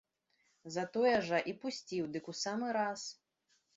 Затое жа і пусціў дык у самы раз.